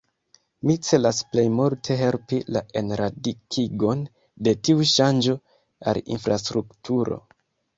Mi celas plej multe helpi la enradikigon de tiu ŝanĝo al infrastrukturo.